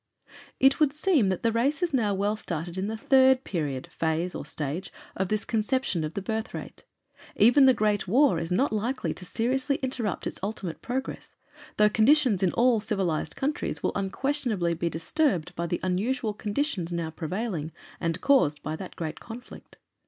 It would seem that the race is now well started in the third period, phase, or stage of this conception of the birth rate. Even the Great War is not likely to seriously interrupt its ultimate progress, though conditions in all civilized countries will unquestionably be disturbed by the unusual conditions now prevailing and caused by the great conflict.